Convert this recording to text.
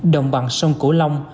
đồng bằng sông cổ lông